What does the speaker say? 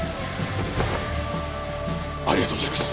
ありがとうございます！